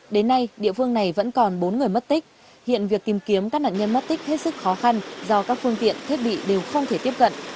đến nay địa phương này vẫn còn bốn người mất tích hiện việc tìm kiếm các nạn nhân mất tích hết sức khó khăn do các phương tiện thiết bị đều không thể tiếp cận